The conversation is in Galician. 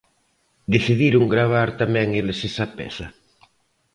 Decidiron gravar tamén eles esa peza.